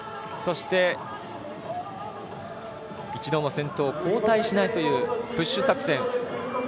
そして、一度も先頭を交代しないというプッシュ作戦。